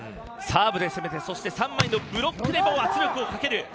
サーブで攻めて３枚ブロックでも圧力をかける。